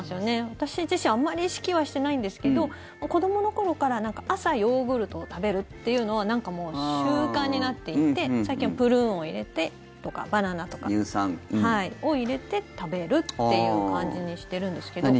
私自身あまり意識はしてないんですけど子どもの頃から朝、ヨーグルトを食べるというのはなんかもう習慣になっていて最近はプルーンを入れてとかバナナとかを入れて食べるという感じにしてるんですけど。